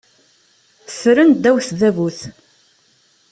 Ffren ddaw tdabut.